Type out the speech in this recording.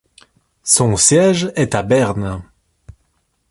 Son siège est à Berne.